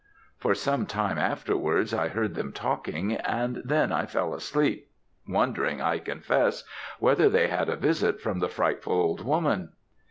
"For some time afterwards I heard them talking, and then I fell asleep wondering, I confess, whether they had had a visit from the frightful old woman.